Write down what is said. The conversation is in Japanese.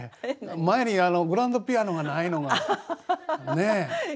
前にグランドピアノがないのがねえ。